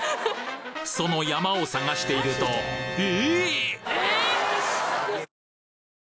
その山を探しているとええ！